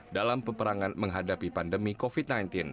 dalam peperangan menghadapi pandemi covid sembilan belas